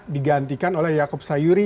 digantikan oleh yaakob sayuri